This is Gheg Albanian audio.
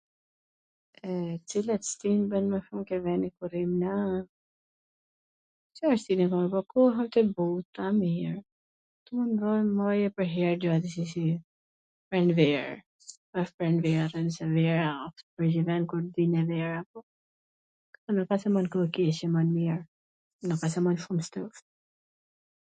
E cila stin m pwlqen mw shum ke veni ku rrim na? Ca stine ka me ba? Koha wsht e but, a e mir, ... pranver, wsht pranvera se vera asht ,,, nuk asht se mban koh t keqe, mban mir, nuk asht se ban shum ftoft.